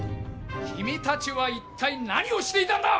君たちは一体何をしていたんだ！